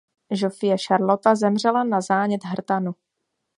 Žofie Šarlota zemřela na zánět hrtanu.